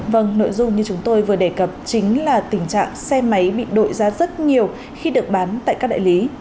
vâng nội dung như chúng tôi vừa đề cập chính là tình trạng xe máy bị đội ra rất nhiều khi được bán tại các đại lý